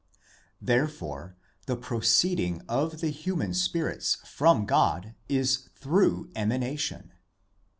Therefore the proceeding of the human spirits from God is through emanation.